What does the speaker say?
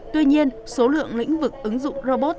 tuy nhiên số lượng lĩnh vực ứng dụng robot